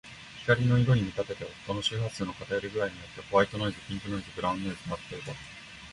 光の色に見立てて、音の周波数の偏り具合によってホワイトノイズ、ピンクノイズ、ブラウンノイズなどといわれる。